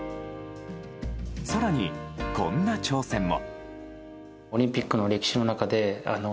更に、こんな挑戦も。